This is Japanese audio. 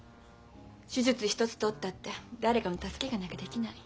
手術一つとったって誰かの助けがなきゃできない。